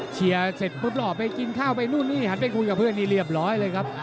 เชียร์เสร็จปุ๊บหล่อไปกินข้าวไปนู่นนี่หันไปคุยกับเพื่อนนี่เรียบร้อยเลยครับ